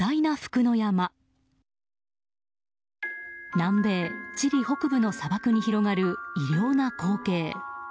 南米チリ北部の砂漠に広がる異様な光景。